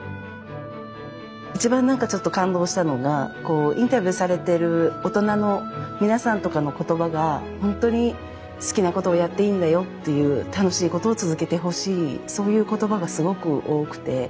一番何かちょっと感動したのがこうインタビューされてる大人の皆さんとかの言葉が本当に好きなことをやっていいんだよっていう楽しいことを続けてほしいそういう言葉がすごく多くて。